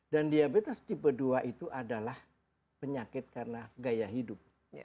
dan diabetes tipe dua itu adalah penyakit karena gaya hidup